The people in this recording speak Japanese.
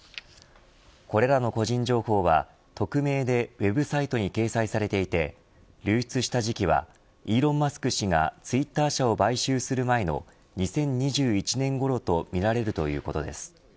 これらの個人情報は匿名でウェブサイトに掲載されていて流出した時期はイーロン・マスク氏がツイッター社を買収する前の２０２１年ごろとみられるということです。